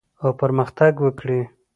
او پرمختګ وکړي